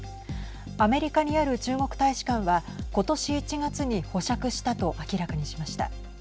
アメリカにある中国大使館はことし１月に保釈したと明らかにしました。